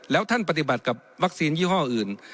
แล้วท่านปฏิบัติกับวัคซีนยี่ห้ออื่น